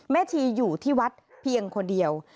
ชีอยู่ที่วัดเพียงคนเดียว